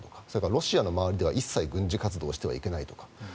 それから、ロシアの周りでは一切軍事活動をしてはいけないとか。